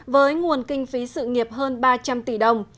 với nguồn kinh phí sự nghiệp hơn ba trăm linh tỷ đồng